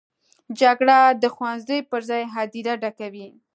جګړه د ښوونځي پر ځای هدیره ډکوي